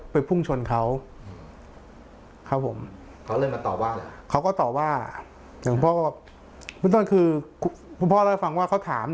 พ่อหลักฟังว่า